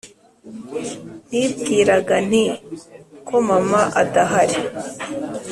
naribwiraga nti ko mama adahari